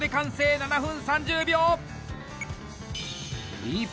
７分３０秒！